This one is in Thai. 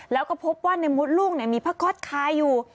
แล้วก็พบว่าในมดลูกมีผ้าก๊อตคาอยู่